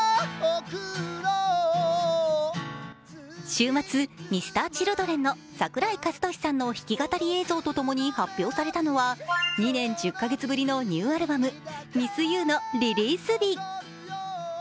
週末、Ｍｒ．Ｃｈｉｌｄｒｅｎの桜井和寿さんの弾き語り映像とともに発表されたのは２年１０か月ぶりのニューアルバム「ｍｉｓｓｙｏｕ」のリリース日。